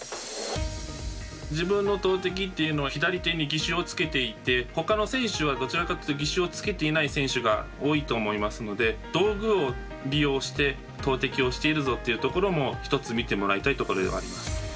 自分が投てきというのは左手に義手をつけていてほかの選手はどちらかというと義手をつけていない選手が多いと思うので道具を利用して、投てきをしているぞというところも一つ見てもらいたいところではあります。